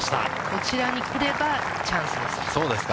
こちらに来ればチャンスです。